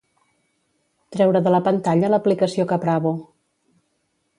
Treure de la pantalla l'aplicació Caprabo.